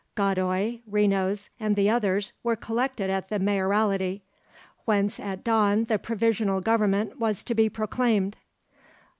Godoy, Renos, and the others were collected at the Mayoralty, whence at dawn the Provisional Government was to be proclaimed.